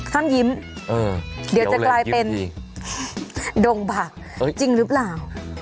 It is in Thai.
ท่านยิ้มเดี๋ยวจะกลายเป็นดงผักจริงหรือเปล่า